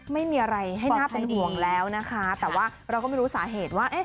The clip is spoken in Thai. ไม่มีอะไรให้น่าเป็นห่วงแล้วนะคะแต่ว่าเราก็ไม่รู้สาเหตุว่า